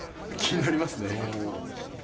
気になりますね。